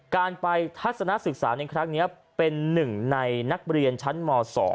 การไปทัศนศึกษาในครั้งนี้เป็นหนึ่งในนักเรียนชั้นม๒